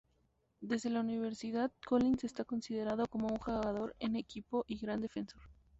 Desde la universidad, Collins está considerado como un jugador en equipo y gran defensor.